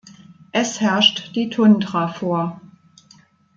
Es herrscht die Tundra vor.